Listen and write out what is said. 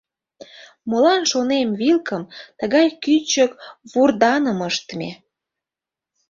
Молан, шонем, вилкым тыгай кӱчык вурданым ыштыме.